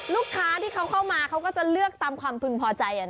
ลูกค้าที่เขาเข้ามาเขาก็จะเลือกตามความพึงพอใจ